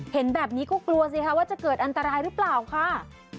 เห็นแบบนี้ก็กลัวสิคะว่าจะเกิดอันตรายหรือเปล่าค่ะ